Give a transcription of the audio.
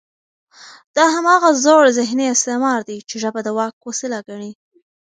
دا هماغه زوړ ذهني استعمار دی، چې ژبه د واک وسیله ګڼي